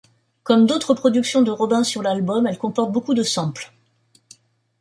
Comme d'autres productions de Robin sur l'album, elle comporte beaucoup de samples.